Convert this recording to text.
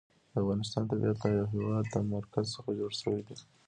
د افغانستان طبیعت له د هېواد مرکز څخه جوړ شوی دی.